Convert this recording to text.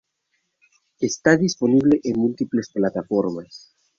Está disponible en múltiples plataformas.